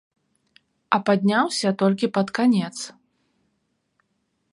А падняўся толькі пад канец.